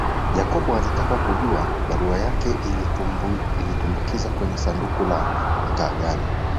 Jacob alitaka kujua barua yake aliitumbukiza kwenye sanduku la mtaa gani